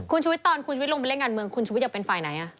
คุณชุวิตตอนคุณชุวิตลงไปเล่นการเมืองคุณชุวิตอยากเป็นฝ่ายไหน